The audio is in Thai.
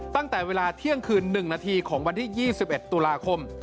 ตั้งแต่เวลาเที่ยงคืน๑นาทีของวันที่๒๑ตุลาคม